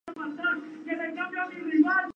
Cristina de Borbón y Grecia, Infantas de España.